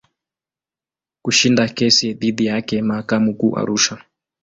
Kushinda kesi dhidi yake mahakama Kuu Arusha.